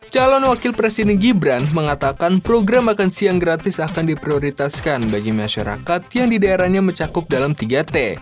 calon wakil presiden gibran mengatakan program makan siang gratis akan diprioritaskan bagi masyarakat yang di daerahnya mencakup dalam tiga t